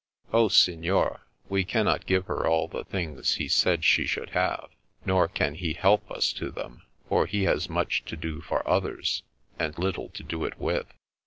" Oh, Signor, we cannot give her all the things he said she should have, nor can he help us to them, for he has much to do for others, and little to do it with."